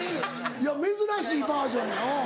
いや珍しいバージョンやうん。